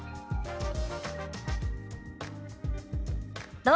どうぞ。